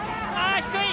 低い！